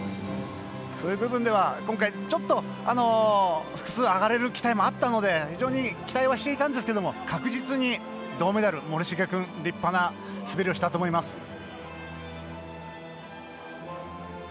そういう部分では今回ちょっと、複数上がれる期待があったので非常に期待はしていたんですけど確実に銅メダル、森重君立派な滑りをしたと思います。